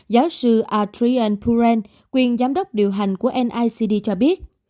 giáo sư atrian puren quyền giám đốc điều hành của nicd cho biết